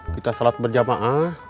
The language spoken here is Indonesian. kita shalat berjamaah